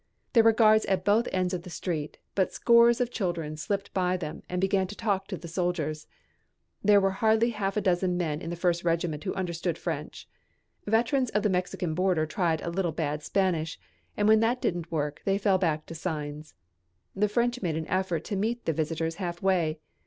There were guards at both ends of the street, but scores of children slipped by them and began to talk to the soldiers. There were hardly half a dozen men in the first regiment who understood French. Veterans of the Mexican border tried a little bad Spanish and when that didn't work they fell back to signs. The French made an effort to meet the visitors half way.